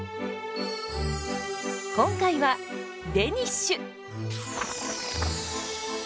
今回はデニッシュ！